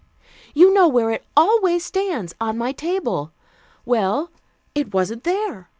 You all know where it always stands, on my table. Well, it wasn't there.